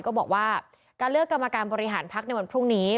ก็บอกว่าการเลือกกรรมการบริหารพักในวันพรุ่งนี้